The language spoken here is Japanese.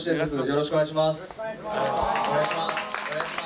よろしくお願いします。